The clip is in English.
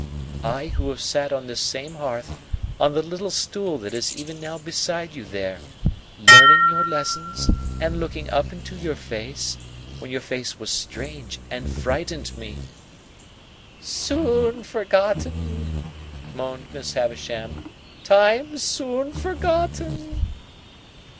I who have sat on this same hearth on the little stool that is even now beside you there, learning your lessons and looking up into your face, when your face was strange and frightened me!" "Soon forgotten!" moaned Miss Havisham. "Times soon forgotten!"